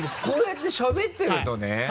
こうやってしゃべってるとね